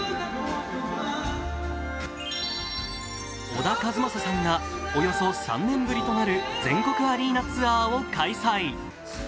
小田和正さんがおよそ３年ぶりとなる全国アリーナツアーを開催。